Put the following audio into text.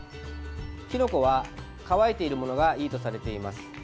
きのこは乾いているものがいいとされています。